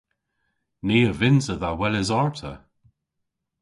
Ni a vynnsa dha weles arta.